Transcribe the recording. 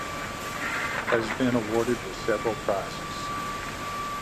Has been awarded with several prizes.